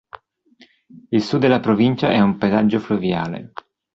Il sud della provincia è un paesaggio fluviale.